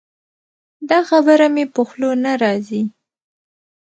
دا خبره مې په خوله نه راځي.